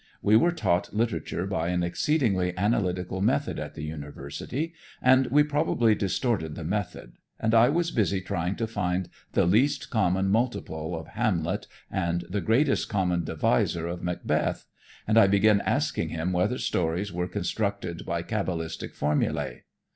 We were taught literature by an exceedingly analytical method at the University, and we probably distorted the method, and I was busy trying to find the least common multiple of Hamlet and the greatest common divisor of Macbeth, and I began asking him whether stories were constructed by cabalistic formulae.